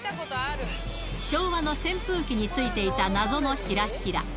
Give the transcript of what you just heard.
昭和の扇風機についていた謎のひらひら。